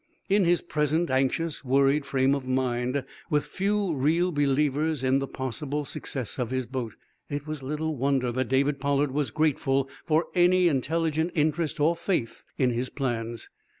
In his present anxious, worried frame of mind, with few real believers in the possible success of his boat, it was little wonder that David Pollard was grateful for any intelligent interest or faith in his plans.